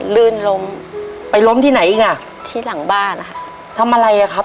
ลื่นล้มไปล้มที่ไหนอีกอ่ะที่หลังบ้านอ่ะค่ะทำอะไรอ่ะครับ